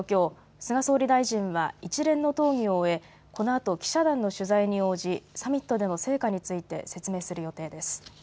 菅総理大臣は一連の討議を終えこのあと記者団の取材に応じサミットでの成果について説明する予定です。